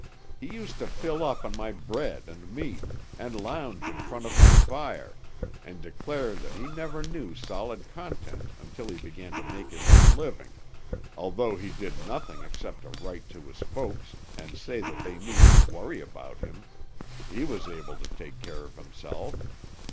He used to fill up on my bread and meat, and lounge in front of my fire, and declare that he never knew solid content until he began to make his own living, although he did nothing except to write to his folks, and say that they needn't worry about him, he was able to take care of himself.